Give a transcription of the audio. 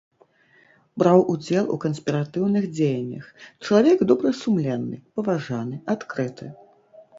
Браў удзел у канспіратыўных дзеяннях, чалавек добрасумленны, паважаны, адкрыты.